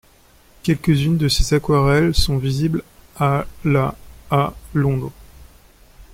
Quelques-unes de ses aquarelles sont visibles à la à Londres.